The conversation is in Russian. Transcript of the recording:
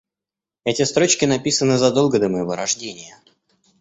Эти строчки написаны задолго до моего рождения.